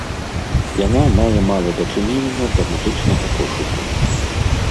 Яна мае мала дачынення да музычнага пошуку.